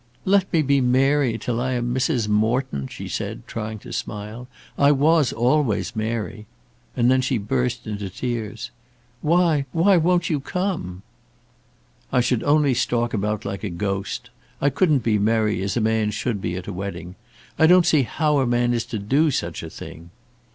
"Let me be Mary till I am Mrs. Morton," she said, trying to smile. "I was always Mary." And then she burst into tears. "Why, why won't you come?" "I should only stalk about like a ghost. I couldn't be merry as a man should be at a wedding. I don't see how a man is to do such a thing."